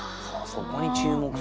そこに注目する。